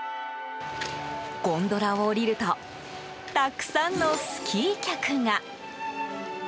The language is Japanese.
ゴンドラを降りるとたくさんのスキー客が。